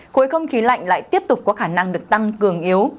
khối không khí lạnh lại tiếp tục có khả năng được tăng cường yếu